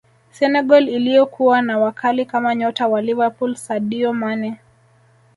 senegal iliyokuwa na wakali kama nyota wa liverpool sadio mane